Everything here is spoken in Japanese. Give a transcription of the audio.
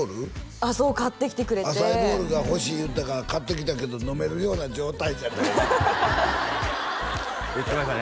ああそう買ってきてくれてアサイーボウルが欲しい言ったから買ってきたけど飲めるような状態じゃない言ってましたね